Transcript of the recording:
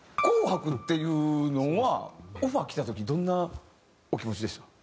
『紅白』っていうのはオファー来た時どんなお気持ちでした？